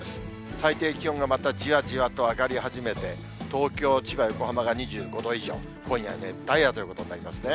最低気温がまたじわじわと上がり始めて、東京、千葉、横浜が２５度以上、今夜、熱帯夜ということになりますね。